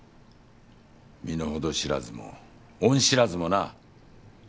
身の程知らずも恩知らずもな。